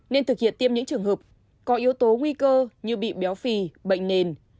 nên thực hiện tiêm những trường hợp có yếu tố nguy cơ như bị béo phì bệnh nền